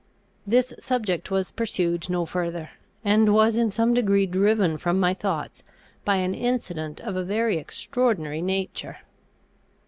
This subject was pursued no further, and was in some degree driven from my thoughts by an incident of a very extraordinary nature.